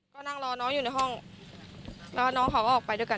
ก็นั่งรอน้องอยู่ในห้องแล้วน้องเขาก็ออกไปด้วยกัน